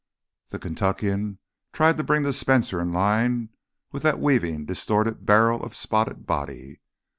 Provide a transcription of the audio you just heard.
The Kentuckian tried to bring the Spencer in line with that weaving, distorted barrel of spotted body.